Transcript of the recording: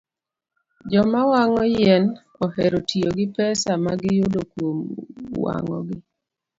Joma wang'o yien ohero tiyo gi pesa ma giyudo kuom wang'ogi.